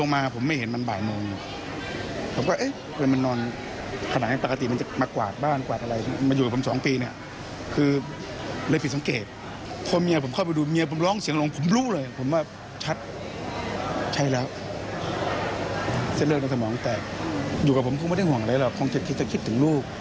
ไม่ต้องห่วงเลยหรอกคงจะคิดถึงลูก